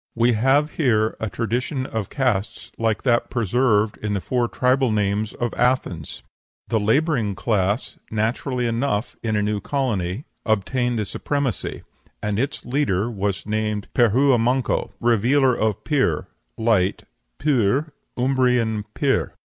We have here a tradition of castes like that preserved in the four tribal names of Athens." The laboring class (naturally enough in a new colony) obtained the supremacy, and its leader was named Pirhua manco, revealer of Pir, light (p[~u]r, Umbrian pir).